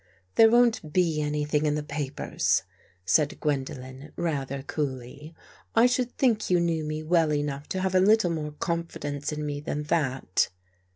" There won't be anything in the papers," said Gwendolen rather coolly. " I should think you knew me well enough to have a little more confi dence in me than that."